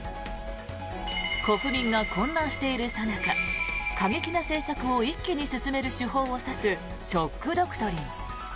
国民が混乱しているさなか過激な政策を一気に進める手法を指すショック・ドクトリン。